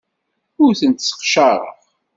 Ur tent-sseqcareɣ.